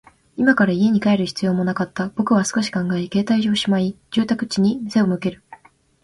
今から家に帰る必要もなかった。僕は少し考え、携帯をしまい、住宅地に背を向ける。